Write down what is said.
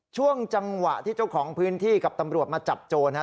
ช่วงจังหวะที่เจ้าของพื้นที่กับตำรวจมาจับโจรฮะ